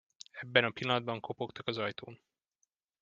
Ebben a pillanatban kopogtak az ajtón.